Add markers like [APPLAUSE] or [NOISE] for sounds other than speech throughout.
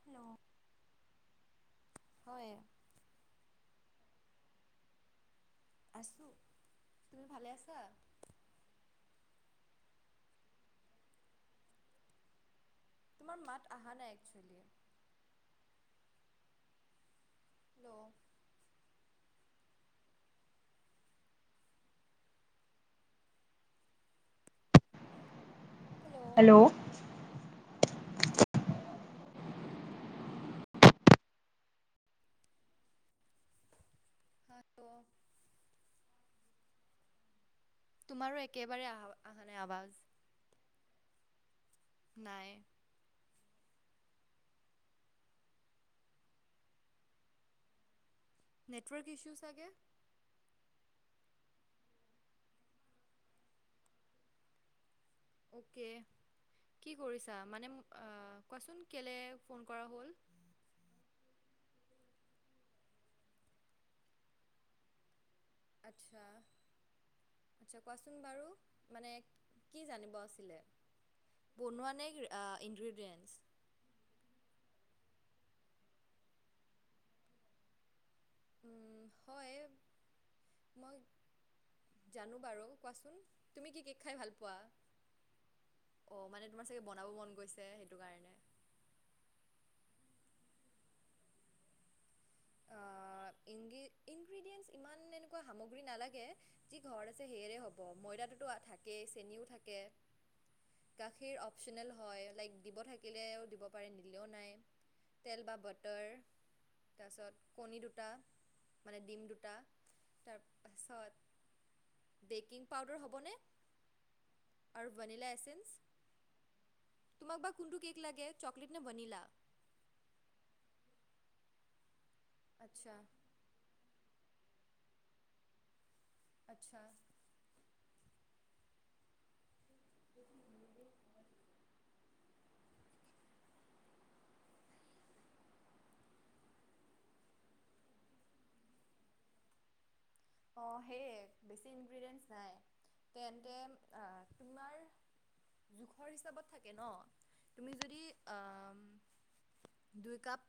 Hello? হয়। আছো, তুমি ভালে আছা? তোমাৰ মাত অহা নাই actually. Hello? Hello? Hello? Hello? তোমাৰো একেবাৰে আহা নাই আৱাজ। নাই। নেটৱৰ্ক ইচ্ছো ছাগে? অ'কে, কি কৰিছা, মানে কোৱাচোন কেলৈ ফোন কৰা হ'ল? আচ্ছা। আচ্ছা। কোৱাচোন বাৰু, মানে কি জানিব আছিলে? বনোৱা নে ইনগ্ৰেডিয়েণ্টছ? উম, হয়, মই জানো বাৰু কোৱাচোন, তুমি কি কেক খাই ভাল পোৱা? অ', মানে তোমাৰ চাগে বনাব মন গৈছে সেইটো কাৰণে। ইংগ ইনগ্ৰিডিয়েণ্টছ ইমান এনেকুৱা সামগ্ৰী নালাগে। যি ঘৰত আছে সেয়ে হ'ব, ময়দাটোতো থাকেই চেনিও থাকে। গাখীৰ অপচনেল হয়, লাইক দিব থাকিলেও দিব পাৰে নিদিলেও নাই। তেল বা বাটাৰ। তাৰপাছত কণী দুটা, মানে ডিম দুটা তাৰপাছত বেকিং পাউদাৰ হ'বনে আৰু ভেনিলা এচেঞ্চ তোমাক বা কোনটো কেক লাগে চকলেট নে ভেনীলা? আচ্ছা। আচ্ছা। [INAUDIBLE] অ', সেয়ে বেছি ইনগ্ৰেডিয়েণ্টছ নাই, তেন্তে তোমাৰ জোখৰ হিচাপত থাকে ন, তুমি যদি আহ দুই কাপ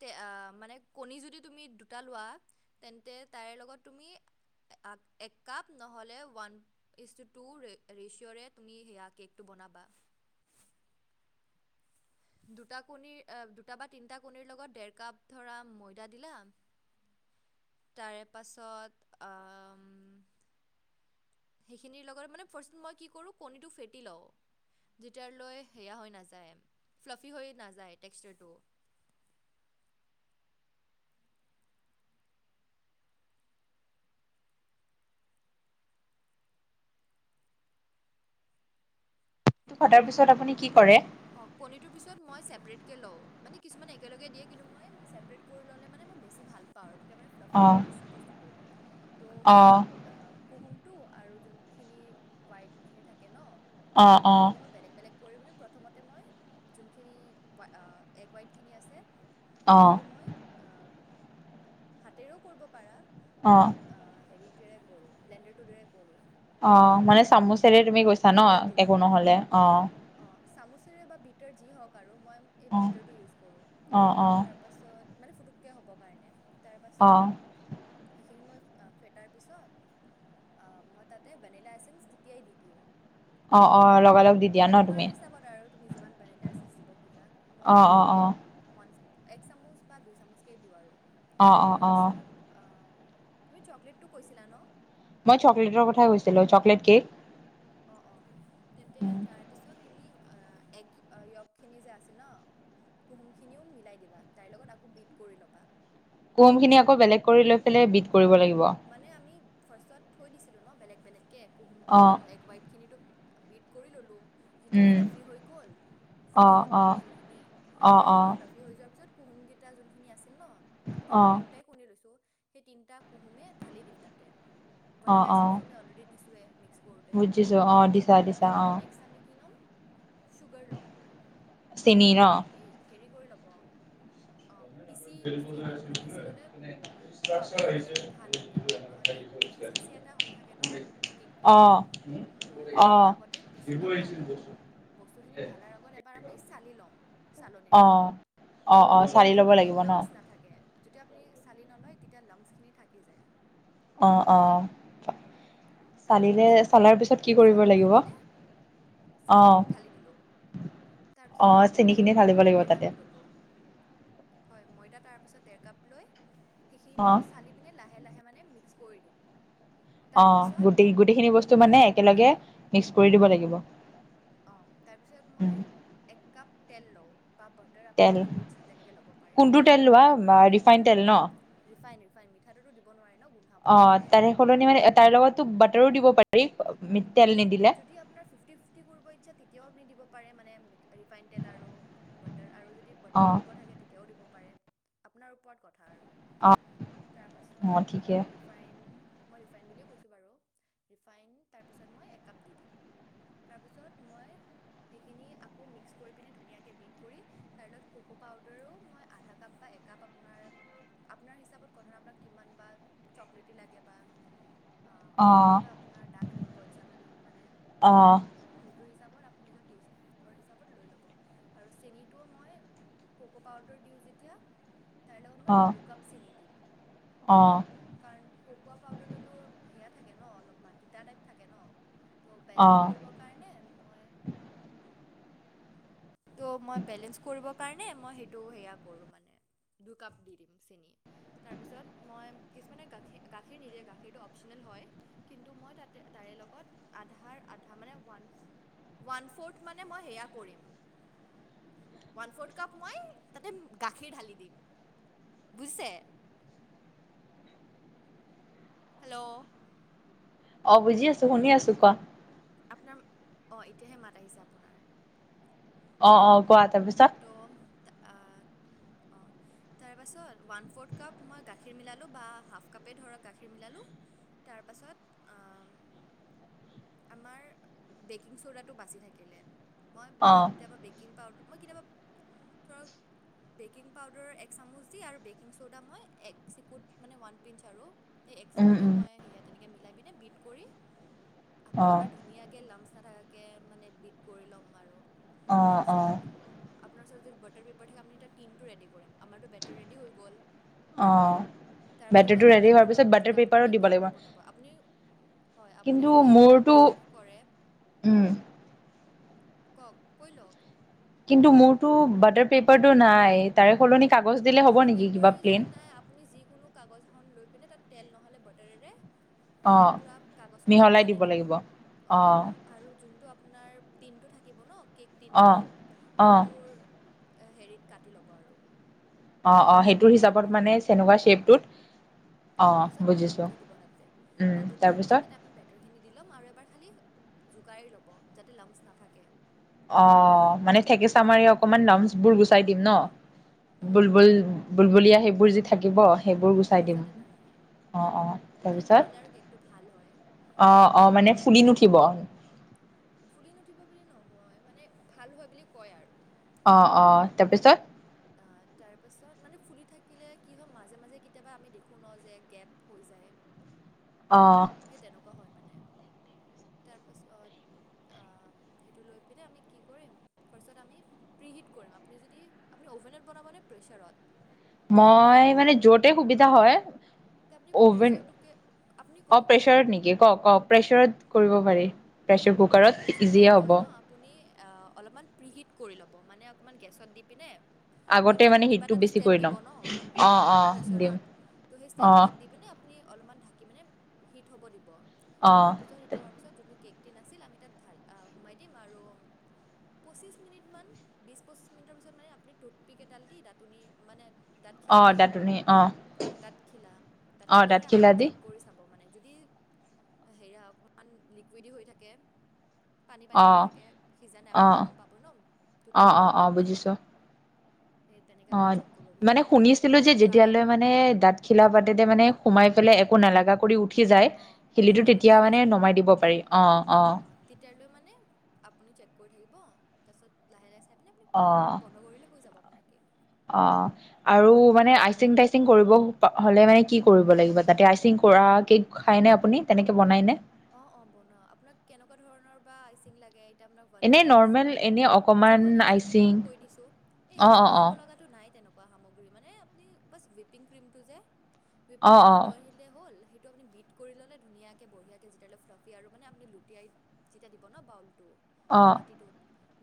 তে আ মানে কণী যদি তুমি দুটা লোৱা তেন্তে তাৰ লগত তুমি এক, এক কাপ নহ'লে ওৱান ইছটো টু ৰে ৰেচঅ'ৰে তুমি সেয়া কেকটো বনাবা। দুটা কণীৰ দুটা বা তিনিটা কণীৰ লগত ডেৰ কাপ ধৰা ময়দা দিলা তাৰেপাছত আ। সেইখিনিৰ লগত মানে ফাৰ্ষ্টত মই কি কৰোঁ কণীটো ফেঁটি লওঁ যেতিয়া লৈ সেয়া হৈ নাযাই ফ্লাফি হৈ নাযাই টেক্সচাৰটো ঘটাৰ পিছত আপুনি কি কৰে কণীটো পিছত মই চেপাৰেট কে লও মানে কিছুমানে একেলগে দিয়ে কিন্তু মই চেপাৰেট কৈ লও কৰি ল'লে মানে মই বেছি ভাল পাওঁ আৰু তেতিয়া মানে বেছি অ ফ্লাফী হয় বেছি বস্তুটো অ অ কুহুমটো আৰু যোনখিনি হুৱাইট যে থাকে ন অ অ সেইখিনি মই বেলেগ বেলেগ কৰি প্ৰথমতে মই যোনখিনি অ এগ ৱাইটখিনি আছে অ সেইটো মই আ হাতেৰেও কৰিব পাৰা মই অ হেৰিটোৰে কৰো ব্লেণ্ডাৰটোৰে কৰো অ মানে চামুচেৰে তুমি কৈছা ন বিটাৰটো দি একো নহলে অ অ চামুচেৰে বা বিটাৰ যি হওক আৰু মই এই অ বিটাৰটো ইউজ কৰো অ অ তাৰ পাছত মানে ফুটুককে হ'ব কাৰণে তাৰ অ পাছত সেইখিনি মই ফেটাৰ পিছত আ মই তাতে ভেনিলাএচেন্স তেতিয়াই দি দিওঁ অ অ লগা লগ তোমাৰ হিচাপত আৰু তুমি যিমান ভেনিলাএচেন্স দিব খোজা আৰু অ অ মইতো অ এক ওৱান এক চামুচ বা দুই চামুচকেই দিওঁ আৰু অ অ অ তাৰপাছত আ তুমি চকলেটটো কৈছিলা ন মই চকলেটৰ কথাই কৈছিলো চকলেট কেক অ অ তেন্তে তাৰপিছত তুমি আ এগ য়গখিনি যে আছে ন কুহুমখিনিও মিলাই দিবা তাইৰ লগত আকৌ বিট কৰি ল'বা কুহুম খিনি আকৌ বেলেগ কৰি লৈ পেলাই বিট কৰিব লাগিব মানে আমি ফাৰ্ষ্টত থৈ দিছিলোঁ ন বেলেগ বেলেগকে কুহুমটো অ আৰু এগ ৱাইটখিনিতো বিট কৰি ললো যেতিয়া উম ফ্লাফি হৈ গ'ল অ ফুলি গ'ল ন অ বস্তুখিনি অ তেতিয়া সেইখিনি ফ্ল অ ফ্লাফি হৈ যোৱাৰ পিছত কুহুমকেইটা যোন খিনি আছিল ন আমিতো অ তিনটাই কণী লৈছো সেই তিনটা কুহুমে ঢালি দিম তাতে অ অ ভেনিলাচেন্স আমি অলৰেডি দিছোৱেই মিক্স কৰোতে বুজিছোঁ অ দিছা তাৰ দিছা অ পাছত নেক্সট আমি কি ল'ম চুগাৰ ল'ম চেনি ন চেনীটো আপুনি হেৰি কৰি ল'ব অ পিচি চেনিটো মানে পিচি ল'লে পাউদাৰ হৈ গ'লে মানে ভাল হয় মিলোৱাত নহ'লে খিচখিচিয়া এটা হৈ থাকে ন কেকটো অ ত' সেইকাৰণে আমি অ আগতে পিচি ল'ম আৰু বস্তুখিনি ঢালাই ঢলাৰ আগত এবাৰ আমি চালি ল'ম চালনিৰে অ', অ', অ', চালি তেতিয়া ল'ব মানে লাগিব ন? লামচ নাথাকে যদি আপুনি চালি নল‌য় তেতিয়া লামচ খিনি থাকি যায় অ অ তাৰে চালিলে পাছত চালাৰ পিছত কি কৰিব চালি লৈ লাগিব পিনে অ', চেনিখিনি ঢালি দিলোঁ তাৰপিছত অ', তেনেকে চেনিখিনি ঢালিব ময়দা লাগিব ডেৰ তাতে। কাপ ললোঁ হয় ময়দা তাৰ পিছত ডেৰ কাপ লৈ সেইখিনিও অ', চালি পিনে লাহে লাহে মানে মিক্স কৰি দিম অ তাৰপিছত গোটেই গোটেইখিনি বস্তু মানে মই দু একেলগে মিক্স কৰি দিব লাগিব অঁ তাৰপিছত মই উম, এক কাঁপ তেল লওঁ বা তেল আপোনাৰ যদি ইচ্ছা তেনেকে ল'ব পাৰে কোনটো তেল লোৱা ৰিফাইন তেল ন ৰিফাইন ৰিফাইন মিঠাটোতো দিব নোৱাৰি ন গোন্ধাব অ', নহলে তাৰে সলনি মানে তাৰ লগতো বাটাৰো দিব পাৰি তেল নিদিলে যদি আপোনাৰ ফিফটি ফিফতি কৰিব ইচ্ছা তেতিয়াও আপুনি দিব পাৰে মানে ৰিফাইন তেল আৰু বাটাৰ আৰু যদি বাটাৰো অ', দিব থাকে তেতিয়াও দিব পাৰে আপোনাৰ ওপৰত কথা আৰু অ', তাৰ পাছত অ', ঠিকে আহ ৰিফাইন মই ৰিফাইণ্ড বুলিয়ে কৈছোঁ বাৰু ৰিফাইনড তাৰপিছত মই একাপ দি দিম তাৰপিছত মই সেইখিনি আকৌ মিক্স কৰি পিনে ধুনীয়াকে বিট কৰি তাৰ লগত ককো পাউদাৰো মই আধা কাপ বা একাপ আপোনাৰ আপোনাৰ হিচাপত কথা আপোনাক কিমান বা চকলেটি লাগে বা আহ কিমান অ', বা আপোনাৰ দাথ কৰিব ইচ্ছা মানে অ', অ', তো' সেইটো হিচাপত আপুনি নিজৰ টেষ্টৰ হিচাপত লৈ ল'ব আৰু চেনটোও মই কোকো পাউদাৰ দিওঁ যেতিয়া তাৰ লগত মই অ', দুকাপ চেনি দিওঁ কাৰণ ককো পাউদাৰটোতো সেয়া থাকে ন অলপমান তিতা টাইপ থাকে ন তো' বেলেঞ্চ অ', কৰিবৰ কাৰণে মই তো' মই বেলেঞ্চ কৰিব কাৰণে মই সেইটো সেয়া কৰোঁ মানে দুকাপ দি দিম চেনি তাৰপিছত মই কিছুমানে গাখীৰ গাখীৰ নিদিয়ে গাখীৰটো অপচনেল হয় কিন্তু মই তাতে তাৰেলগত আধাৰ আধা মানে ওৱান ফ'ৰ্থ মানে মই সেয়া কৰিম ওৱান ফ'ৰ্থ কাপ মই তাতে গাখীৰ ঢালি দিম বুজিছে হেল্ল' অ বুজি আছো শুনি আছো কোৱা আপোনাৰ অঁহ এতিয়াহে মাত আহিছে আপোনাৰ অ অ কোৱা তাৰপিছত তো তাৰ আ' অঁহ তাৰপাছত ওৱান ফ'ৰ্থ কাপ মই গাখীৰ মিলালোঁ বা হাফ কাপেই ধৰক গাখীৰ মিলালোঁ তাৰপাছত অম আমাৰ বেকিং চ'ডাটো বাছি থাকিলে মই অ'। কেতিয়াবা বেকিং পাউদাৰ মই কেতিয়াবা ধৰক বেকিং পাউদাৰ এক চামুচ দি আৰু বেকিং চ'ডা মই এক চিকুট মানে ওৱান পিঞ্চ আৰু এই এক উম চিকুতে উম মই সেয়া তেনেকে মিলাই পিনে বিট কৰি আকৌ অ এবাৰ ধুনীয়াকে লামচ নাথাকাকে মানে বিট কৰি ল'ম আৰু অহ অহ তাৰপিছত আপোনাৰ ওচৰত যদি বাটাৰ পেপাৰ থাকে আপুনি টিমটো ৰেদি কৰিম আমাৰটো বেটাৰ ৰেডি হৈ গ'ল অহ তাৰপিছত এতিয়া আমি টিনটো ল'ম যত' আপুনি মানে দিব লাগিব কেকটো বনাব আপুনি হয় আপুনি কিন্তু যদি মোৰতো মাইক্ৰৱেভ কৰে উম কওক কৈ লওক কিন্তু মোৰতো বাটাৰ পেপাৰটো নাই তাৰে সলনি কাগজ দিলে হ'ব বাটাৰ নেকি কিবা পেপাৰ প্লেইন যদি নাই আপুনি যিকোনো কাগজ এখন লৈ পিনে তাত তেল নহ'লে বাটাৰেৰে অ মানে পুৰা কাগজখন মিহলাই সানি দিব ল'ব লাগিব অ অহ। আৰু যোনটো আপোনাৰ টিনটো থাকিব ন কেক অ টিনটো, অ সেইটোৰ হেৰিত কাটি ল'ব আৰু। অহ অহ সেইটোৰ তাৰে হিচাপত শ্বেপটোত মানে তেনেকুৱা শ্বেপটোত অহ অ তাৰপিছত বুজিছো দি দিব তাতে উম সেইটো দিয়াৰ পিছত তাৰপিছত তাতে আমি বাটাৰখিনি দি ল'ম আৰু এবাৰ খালী জোকাৰি ল'ব যাতে লামচ নাথাকে। অহ মানে থেকেছা মাৰি অকমান লামচ বোৰ গুচাই অঁ দিম ন, হয় হয় অ বুলবুল বুলবুলিয়া সেইবোৰ যি থাকিব সেইবোৰ গুচাই দিম। যাতে নাহে অহ অহ মানে তাৰপিছত নহ'লে আৰু কেকটো ভাল হয় অ অ মানে ফুলি নুঠিব। ফুলি নুঠিব বুলি নহয় মানে ভাল হয় বুলি কয় আৰু। অ অ তাৰপিছত? অ তাৰ পাছত মানে ফুলি থাকিলে কি হয় মাজে মাজে কেতিয়াবা আমি দেখোঁ ন যে গেপ হৈ যায়, অ। সেই তেনেকুৱা হয় মানে। তাৰপাছত আ সেইটো লৈ পিনে আমি কি কৰিম ফাৰ্ষ্টত আমি প্ৰিহিত কৰিম, আপুনি যদি আপুনি অভেনত বনাব নে প্ৰেছাৰত? মই মানে য'তে সুবিধা হয়, তে আপুনি অভেন প্ৰেছাৰটোকে আপুনি অ কওক প্ৰেছাৰত নেকি কওক কওক প্ৰেচাৰত কৰিব পাৰি প্ৰেছাৰ অ কুকাৰত প্ৰেছাৰ যদি ইজিয়ে লয় হ'ব। ন আপুনি এ অলপমান প্ৰিহিত কৰি ল'ব, মানে অকণমান গেছত দি পিনে আগতে তলত মানে আপুনি কিবা হিটটো এটা বেছি ষ্টেণ্ড কৰি দিব ল'ম ন অ', অ', দিম প্ৰেছাৰত, ত সেই ষ্টেণ্ড অ', পাত পিনে আপুনি অলপমান ঢাকি মানে হিট হ'ব দিব, অ', তাৰপিছত সেইট হোৱাৰ পিছত যোনটো কেক টিন আছিল আমি তাক ঢাল সোমাই দিম আৰু পঁচিছ মিনিটমান, বিছ পঁচিছ মিনিটৰ পিছত মানে আপুনি টুথপিক এডাল দি দাতনি মানে দাঁতখিলা অ', দি, দাতনি অ', দাঁতখিলা, অ', দাঁতখিলাৰে দাঁতখিলা আপুনি দি চেক কুৰি চাবো মানে যদি হেই হা অকমান লিকুৱেদি হৈ থাকে পানী পানী হৈ অ', থাকে, সিজা নাই আপুনিতো অ', গম পাব ন অ', টুথপিকটো অ', দিয়াৰ অ', বুজিছোঁ পিছত। এ তেনেকে অ আপুনি চেক কৰিব, যদি মানে আপোনাৰ শুনিছিলো যে ড্ৰাই যেতিয়ালৈ মানে অঁ দাঁত খিলা পাতে মানে সোমাই পেলে একো নালাগা কৰি উঠি উঠি যায় অঁ শিলিটো যেতিয়ালৈ তেতিয়া শুকাই মানে নাযায় আৰু নমাই দিব অঁ পাৰি। অ অ। অঁ তেতিয়ালৈ মানে আপুনি চেক কৰি থাকিব তাৰপিছত লাহে লাহে চাই পিনে আপুনি অ বন্ধ কৰিলে হৈ যাব আপোনাৰ কেক। অ আৰু সেইটো মানে আইচিং তাই আচিং কৰিব হ'লে মানে কি কৰিব লাগিব তাতে? আইচিং কৰা কেক খায়নে আপুনি তেনেকে বনাইনে? অ অ বনাও, আপোনাক কেনেকুৱা ধৰণৰ বা আইচিং লাগে আপোনাৰ এনে বনিলা আছে, নৰ্মেল এনে আচ্ছা অকমান ভনিলা কেকটো আইচিং মই কৈ দিছো, এই অ একো অ অ কৰিব লগা টো নাই তেনেকুৱা সামগ্ৰী মানে আপুনি বাচ ৱিপিং ক্ৰীমটো যে, ৱিপ অ ক্ৰীমটো লৈ হ'ল সেইটো আপুনি বিট কৰি ললে ধুনীয়াকে বঢ়িয়াকে তেতিয়া হ'লে ফ্লাফি আৰু মানে আপুনি লুটিয়াই যেতিয়া দিব ন বাউলটো অ অ বাতিটোত,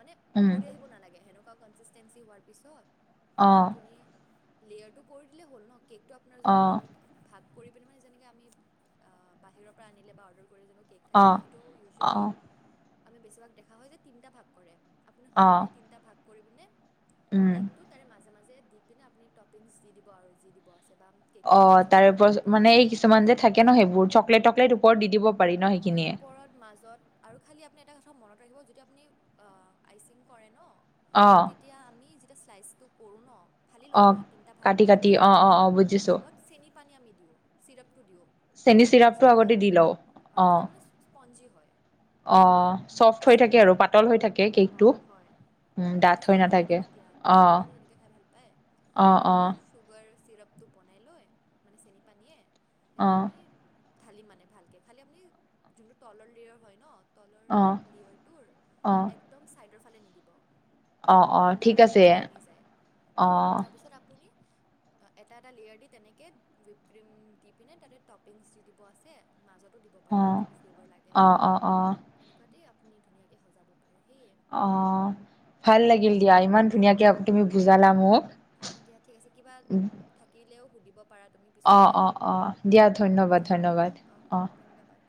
মানে উম পৰি আহিব নালাগে সেনেকুৱা কনচিষ্টেঞ্চি হোৱাৰ পিছত অ আপুনি লেয়াৰটো কৰি দিলে হ'ল ন কেকটো আপোনাৰ অ যদি তিন ভাগ কৰি পিনে মানে যেনেকে আমি আ বাহিৰৰ পৰা আনিলে বা অৰ্ডাৰ কৰি [INAUDIBLE] কেক থাকে অ ন, সেইটো ইউজুৱেলি অ আমি বেছিভাগ দেখা হয় যে তিনিটা ভাগ কৰে। আপুনি অ সমানে তিনিটা ভাগ কৰিপিনে উম কেকটো তাৰে মাজে মাজে- ইপিনে আপুনি টপিংছ দি দিব আৰু যি দিব আছে বাম- অ' তাৰে ওপত মানে এই কিছুমান যে থাকে ন সেইবোৰ, চকলেট টকলেট ওপৰত দি দিব পাৰি ন অঁ সেইখিনিয়ে। ওপৰত মাজত। আৰু খালী আপুনি এটা কথা মনত ৰাখিব, যদি আপুনি অঁ আইচিং কৰে ন, - অঁ' তেতিয়া আমি যেতিয়া শ্লাইচটো কৰোঁ ন, ফালি অ লওঁ ন তিনিটা ভাগ কাটি কৰাৰ কাটি অ অ অ পিছত বুজিছো আগত- চেনি পানী আমি দিওঁ, চিৰপটো দিওঁ। চেনি আপোনাৰ যদি ইচ্ছা চিৰাপটো যায় আগতে দি লওঁ। অঁ তেতিয়া মানে স্পঞ্জী হয়। অঁ চফ্ট হৈ থাকে আইচিংটো আৰু পাতল হৈ থাকে কেকটো। উম ডাঠ হৈ ময়ষ্টৰি থাকে ন নাথাকে তেতিয়া, অ সকলোৱে তেনেকে খাই ভাল পায়। অ ত' অ অ আমি- চুগাৰ চিৰাপটো বনাই লৈ মানে চেনি পানীয়ে, সেইটো আমি- ঢালিম মানে ভালকে, খালি আপুনি যোনটো তলৰ লয়ৰ হয় ন- তলৰ অ লিয়ৰটোৰ অ একদম ছাইডৰ ফালে নিদিব। অ অ ঠিক কিনাৰলৈ আছে নহ'লে ভাঙি যায়। অ তাৰপিছত আপুনি- এটা এটা লেয়াৰ দি তেনেকে বি ক্ৰীম দি পিনে তাতে টপিংছ দি দিব আছে মাজত- দিব পাৰে অ মানে যোনটো ফ্লেভাৰ লাগে অ অ ধৰক, অ তেনেকুৱাতেই আপুনি ধুনীয়াকে সজাব পাৰে। সেয়ে- অঁ' ভাল লাগিল দিয়া। ইমান অ ধুনীয়াকে দিয়া তুমি বুজালা মোক। অ দিয়া ঠিক আছে কিবা থাকিলেও সুধিব পাৰাত- অঁ অঁ অঁ দিয়া ধন্যবাদ দিয়া ধন্যবাদ, অঁ। ধন্যবাদ।